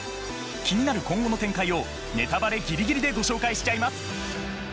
気になる今後の展開をネタバレぎりぎりでご紹介しちゃいます。